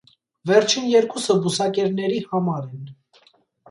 Վերջին երկուսը բուսակերների համար են։